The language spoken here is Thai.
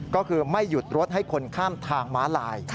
ก็คือไม่หยุดรถให้คนข้ามทางม้าลาย